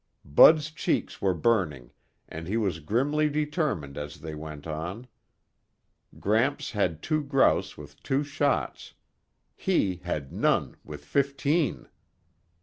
Bud's cheeks were burning, and he was grimly determined as they went on. Gramps had two grouse with two shots; he had none with fifteen.